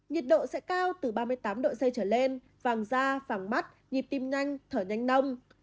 nhiệt độ sẽ cao từ ba mươi tám độ c trở lên vàng da vàng mắt nhịp tim nhanh thở nhanh nông